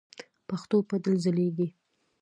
پښتو به تل ځلیږي.